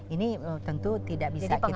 ini tentu tidak bisa kita